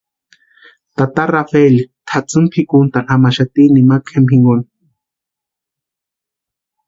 Tata Rafeli tʼatsïni pʼikuntani jamaxati nimakwa jempani jinkoni.